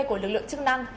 của lực lượng chức năng